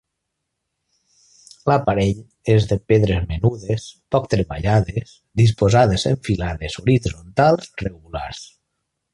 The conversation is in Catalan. L'aparell és de pedres menudes, poc treballades, disposades en filades horitzontals regulars.